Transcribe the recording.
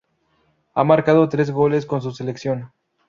Ha marcado tres goles con su selección.